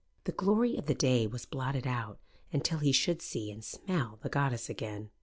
The glory of the day was blotted out until he should see and smell the goddess again.